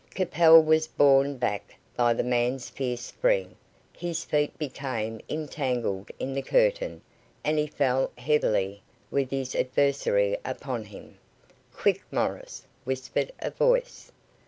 Capel was borne back by the man's fierce spring, his feet became entangled in the curtain and he fell heavily, with his adversary upon him. "Quick, Morris," whispered a voice.